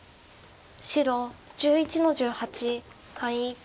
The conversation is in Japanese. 白１１の十八ハイ。